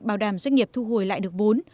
bảo đảm doanh nghiệp thu hồi lại được vốn